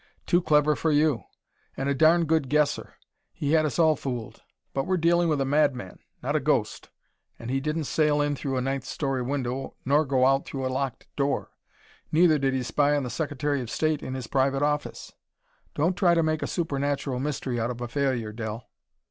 "Too clever for you. And a darn good guesser; he had us all fooled. But we're dealing with a madman, not a ghost, and he didn't sail in through a ninth story window nor go out through a locked door; neither did he spy on the Secretary of State in his private office. Don't try to make a supernatural mystery out of a failure, Del."